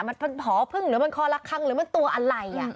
มันผอพึ่งหรือมันคอละคังหรือมันตัวอะไร